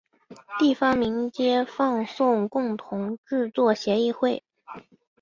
地方民间放送共同制作协议会。